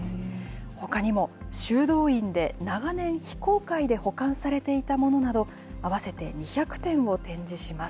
ほかにも修道院で長年、非公開で保管されていたものなど、合わせて２００点を展示します。